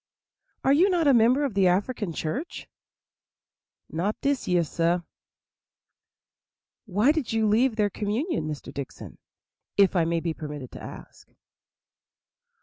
are you not a member of the African church?" "Not dis year, sah." "Why did you leave their communion, Mr. Dickson, if I may be permitted to ask?"